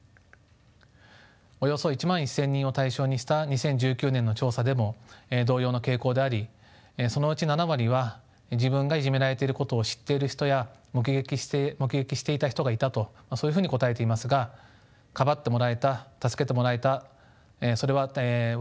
およそ１万１，０００人を対象にした２０１９年の調査でも同様の傾向でありそのうち７割は自分がいじめられていることを知っている人や目撃していた人がいたとそういうふうに答えていますがかばってもらえた助けてもらえたそれは僅か４割弱でした。